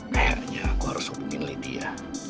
kayaknya aku harus hubungin lydia